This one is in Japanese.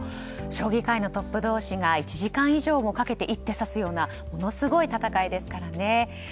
将棋界のトップ同士が１時間以上もかけて一手指すようなものすごい戦いですからね。